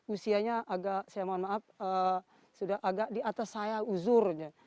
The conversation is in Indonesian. usianya agak saya mohon maaf sudah agak di atas saya uzurnya